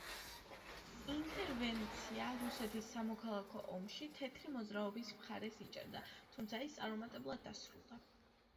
ინტერვენცია რუსეთის სამოქალაქო ომში, თეთრი მოძრაობის მხარეს იჭერდა, თუმცა ის წარუმატებლად დასრულდა.